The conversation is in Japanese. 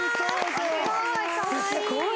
すごい！